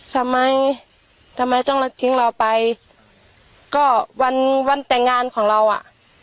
ทำไมทำไมต้องมาทิ้งเราไปก็วันวันแต่งงานของเราอ่ะ